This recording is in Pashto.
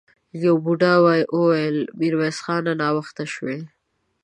يوه بوډا وويل: ميرويس خانه! ناوخته شوې!